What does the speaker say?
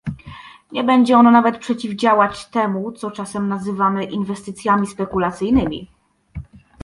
Nie będzie ono nawet przeciwdziałać temu, co czasem nazywamy inwestycjami spekulacyjnymi